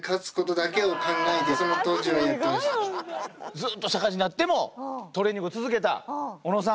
ずっと社会人になってもトレーニングを続けた小野さん。